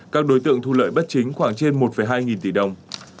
các đối tượng thu lợi bất chính khoảng trên một hai nghìn tỷ đồng